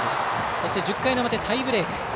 そして１０回の表タイブレーク。